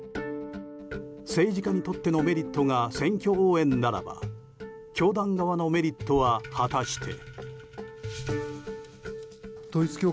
政治家にとってのメリットが選挙応援ならば教団側のメリットは果たして。